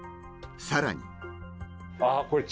さらにあ。